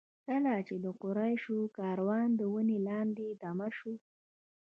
کله چې د قریشو کاروان د ونې لاندې دمه شو.